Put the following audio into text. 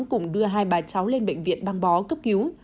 cùng đưa hai bà cháu lên bệnh viện băng bó cấp cứu